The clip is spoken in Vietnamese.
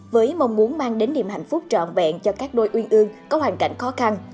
với mong muốn mang đến niềm hạnh phúc trọn vẹn cho các đôi uyên ương có hoàn cảnh khó khăn